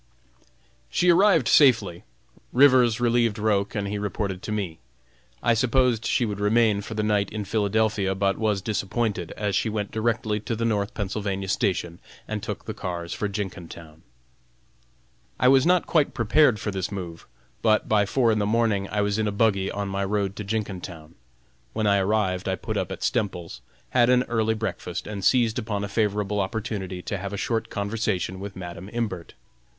She arrived safely. Rivers relieved Roch and he reported to me. I supposed she would remain for the night in Philadelphia, but was disappointed, as she went directly to the North Pennsylvania station and took the cars for Jenkintown. I was not quite prepared for this move, but by four in the morning I was in a buggy on my road to Jenkintown. When I arrived I put up at Stemples's, had an early breakfast, and seized upon a favorable opportunity to have a short conversation with Madam Imbert.